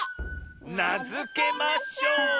「なづけましょう」！